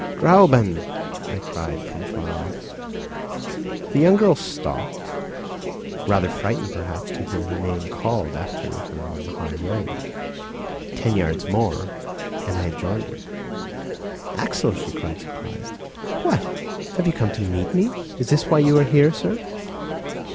"Gräuben!" I cried from afar off. The young girl stopped, rather frightened perhaps to hear her name called after her on the high road. Ten yards more, and I had joined her. "Axel!" she cried surprised. "What! have you come to meet me? Is this why you are here, sir?"